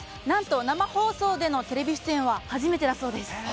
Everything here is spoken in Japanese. なんと生放送でのテレビ出演は初めてだそうです。